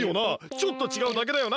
ちょっとちがうだけだよな？